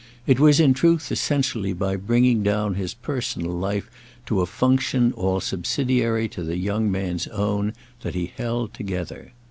It was in truth essentially by bringing down his personal life to a function all subsidiary to the young man's own that he held together.